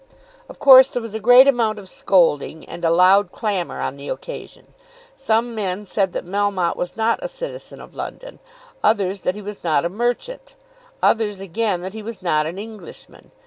Of course there was a great amount of scolding and a loud clamour on the occasion. Some men said that Melmotte was not a citizen of London, others that he was not a merchant, others again that he was not an Englishman.